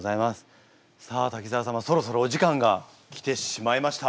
さあ滝沢様そろそろお時間が来てしまいました。